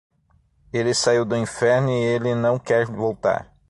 Ele saiu do inferno e ele não quer voltar.